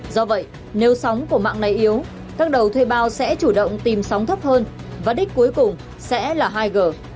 do vậy nếu sóng của mạng này yếu các đầu thuê bao sẽ chủ động tìm sóng thấp hơn và đích cuối cùng sẽ là hai g